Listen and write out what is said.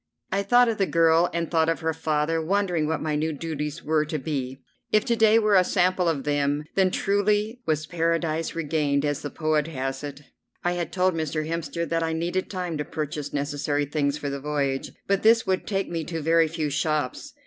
I thought of the girl and thought of her father, wondering what my new duties were to be. If to day were a sample of them then truly was Paradise regained, as the poet has it. I had told Mr. Hemster that I needed time to purchase necessary things for the voyage, but this would take me to very few shops.